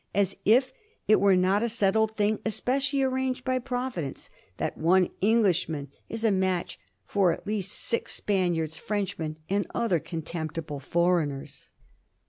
As if it were not a settled thing, specially arranged by Providence, that one Englishman is a match for at least any six Spaniards, Frenchmen, or other contemptible foreigners!